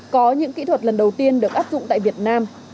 có những kỹ thuật lần đầu tiên được áp dụng tại việt nam